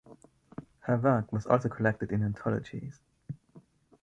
Her work was also collected in anthologies.